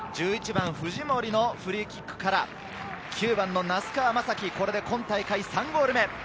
１１番・藤森のフリーキックから９番の名須川真光、これで今大会３ゴール目。